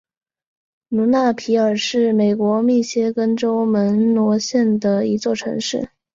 卢纳皮尔是美国密歇根州门罗县的一座城市。